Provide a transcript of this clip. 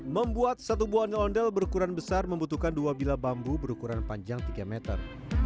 membuat satu buahnya ondel berukuran besar membutuhkan dua bila bambu berukuran panjang tiga meter